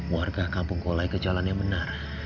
warga kampung kolai kejalan yang benar